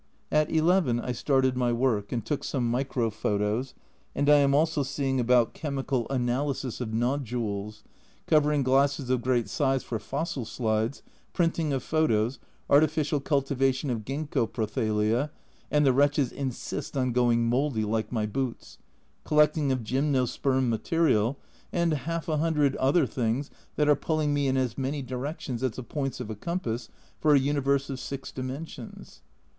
At 1 1 I started my work, and took some micro photos, and I am also seeing about chemical 1 86 A Journal from Japan analysis of nodules, covering glasses of great size for fossil slides, printing of photos, artificial cultivation of ginkgo prothallia (and the wretches insist on going mouldy, like my boots), collecting of gymnosperm material, and half a hundred other things that are pulling me in as many directions as the points of a compass for a universe of six dimensions.